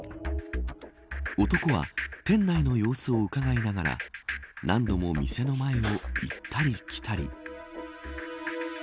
男は店内の様子をうかがいながら何度も店の前を行ったり来たり。